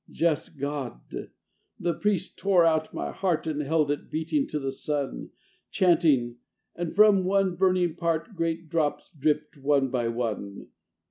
Just God! the priest tore out my heart, And held it, beating, to the sun Chanting and from one burning part Great drops dripped, one by one.